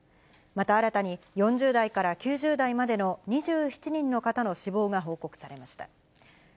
また、新たに４０代から９０代までの２７人の方の死亡が報告されました。